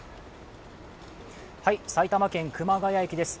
埼玉県・熊谷駅です。